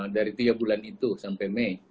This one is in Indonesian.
dari tiga bulan itu sampai mei